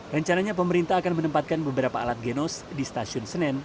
rencananya pemerintah akan menempatkan beberapa alat genos di stasiun senen